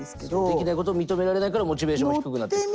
できないことを認められないからモチベーションが低くなっていくと。